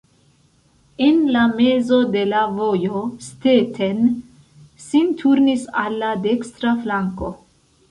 En la mezo de la vojo Stetten sin turnis al la dekstra flanko.